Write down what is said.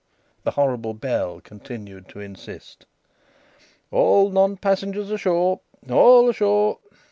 The horrible bell continued to insist. "All non passengers ashore! All ashore!"